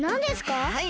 はい。